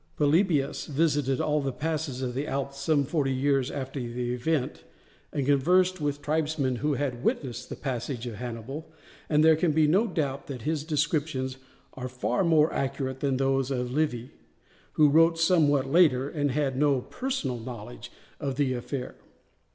Polybius visited all the passes of the Alps some forty years after the event, and conversed with tribesmen who had witnessed the passage of Hannibal, and there can be no doubt that his descriptions are far more accurate than those of Livy, who wrote somewhat later and had no personal knowledge of the affair.